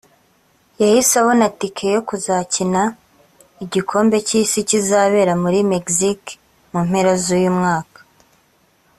yahise abona itike yo kuzakina igikombe cy’isi kizabera muri Mexique mu mpera z’uyu mwaka